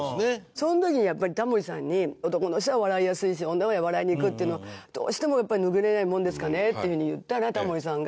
その時にやっぱりタモリさんに男の人は笑いやすいし女は笑いにくいっていうのどうしてもやっぱり拭えないものですかねっていうふうに言ったらタモリさんが。